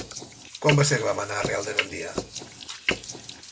Quan va ser que vam anar al Real de Gandia?